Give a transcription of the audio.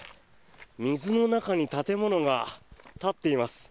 水の中に建物が立っています。